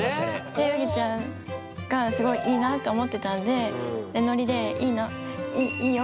でウギちゃんがすごいいいなって思ってたんでノリで「いいよ！」